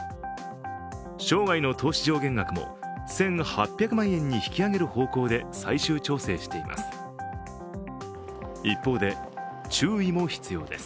生涯の投資上限額も１８００万円に引き上げる方向で最終調整しています。